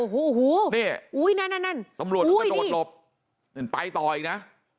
โอ้โหโอ้โหนั่นนั่นนั่นตำรวจก็โดดหลบไปต่ออีกนะ